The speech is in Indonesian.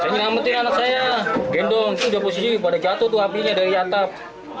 gendong itu udah posisi pada jatuh tuh apinya dari atap